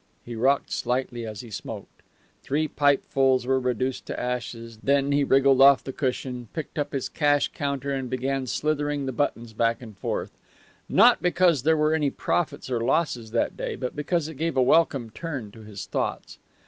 He rocked slightly as he smoked. Three pipefuls were reduced to ashes; then he wriggled off the cushion, picked up his cash counter and began slithering the buttons back and forth; not because there were any profits or losses that day, but because it gave a welcome turn to his thoughts.